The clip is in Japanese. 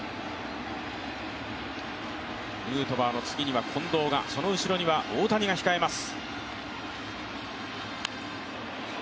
ヌートバーの次には近藤がその後ろには大谷が控えます。